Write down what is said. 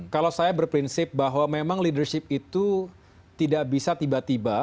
kalau saya berprinsip bahwa memang leadership itu tidak bisa tiba tiba